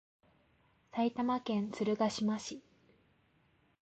埼玉県鶴ヶ島市